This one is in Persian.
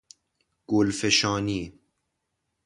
گلفشانی